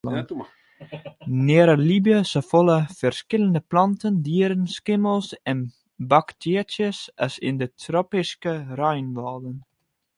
Nearne libje safolle ferskillende planten, dieren, skimmels en baktearjes as yn de tropyske reinwâlden.